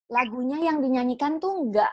lagunya yang dinyanyikan itu tidak